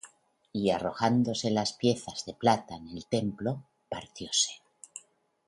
Y arrojando las piezas de plata en el templo, partióse;